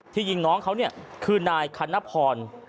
ยิงน้องเขาเนี่ยคือนายคณพร